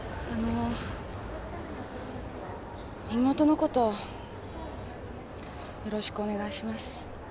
妹のことよろしくお願いします。